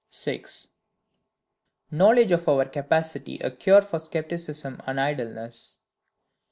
6. Knowledge of our Capacity a Cure of Scepticism and Idleness.